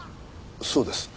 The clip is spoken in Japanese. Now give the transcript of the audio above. そうです。